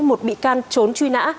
một bị can trốn truy nã